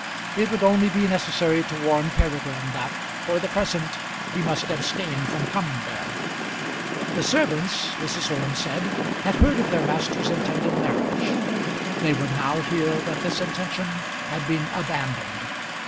It would only be necessary to warn Peregrine that for the present he must abstain from coming there. The servants, Mrs. Orme said, had heard of their master's intended marriage. They would now hear that this intention had been abandoned.